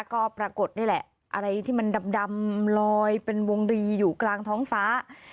ก็ปรากฏนี่แหละอะไรที่มันดำลอยเป็นวงรีอยู่กลางท้องฟ้า